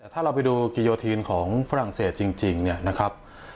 แต่ถ้าเราไปดูกิโยธีนของฝรั่งเศสจริงเนี่ยนะครับ